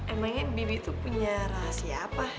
emangnya bibi itu punya rahasia apa